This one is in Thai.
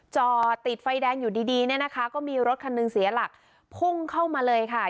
จอดติดไฟแดงอยู่ดีดีเนี่ยนะคะก็มีรถคันหนึ่งเสียหลักพุ่งเข้ามาเลยค่ะ